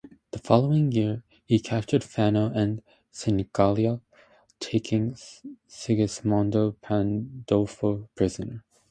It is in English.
The following year he captured Fano and Senigallia, taking Sigismondo Pandolfo prisoner.